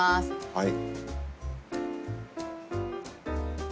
はい。